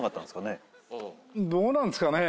どうなんすかね？